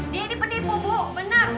dia ini penipu bu benar